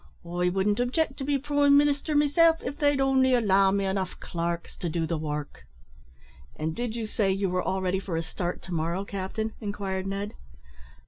I wouldn't object to be prime minister meself av they'd only allow me enough clarks to do the work." "And did you say you were all ready for a start to morrow, captain?" inquired Ned.